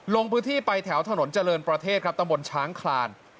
ลงพื้นที่ไปแถวถนนเจริญประเทศครับตำบลช้างคลาน